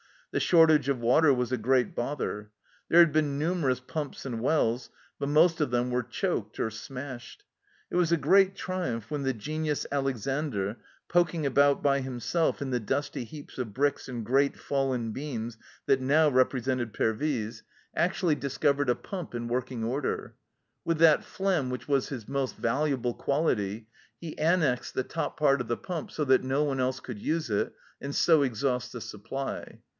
The shortage of water was a great bother. There had been numerous pumps and wells, but most of them were choked or smashed. It was a great triumph when the genius Alexandre, poking about by himself in the dusty heaps of bricks and great fallen beams that now represented Pervyse, VARIED LIFE IN PERVYSE 151 actually discovered a pump in working order. With that phlegm which was his most valuable quality, he annexed the top part of the pump, so that no one else could use it, and so exhaust the supply.